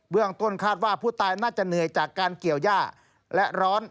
เรื่องต้นคาดว่าผู้ตายน่าจะเหนื่อยจากการเกี่ยวย่าและร้อน